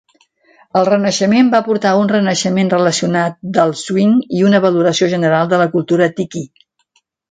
El renaixement va portar un renaixement relacionat del swing i una valoració general de la cultura tiki.